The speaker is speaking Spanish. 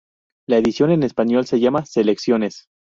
La edición en español se llama "Selecciones".